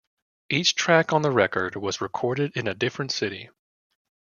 Each track on the record was recorded in a different city.